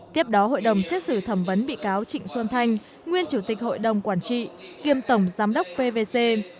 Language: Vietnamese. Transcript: tiếp đó hội đồng xét xử thẩm vấn bị cáo trịnh xuân thanh nguyên chủ tịch hội đồng quản trị kiêm tổng giám đốc pvc